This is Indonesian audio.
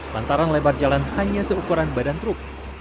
lantaran lebar jalan hanya seukuran badan truk